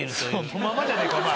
そのままじゃねぇかお前。